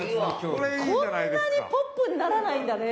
こんなにポップにならないんだね。